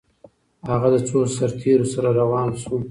هغه له څو سرتیرو سره روان سو؟